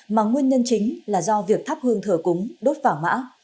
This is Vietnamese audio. mà nguyên nhân chính là do việc thắp hương thờ cúng đốt vàng mã